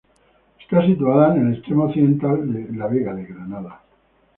Está situada en el extremo occidental de la Vega de Granada.